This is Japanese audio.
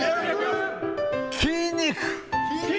筋肉。